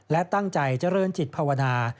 และตั้งใจเจริญจิตภาวนา